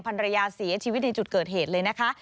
ภรรยาเสียชีวิตในจุดเกิดเหตุเลยนะคะ